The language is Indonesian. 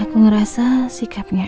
aku ngerasa sikapnya el ada yang aneh